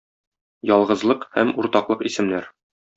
Ялгызлык һәм уртаклык исемнәр.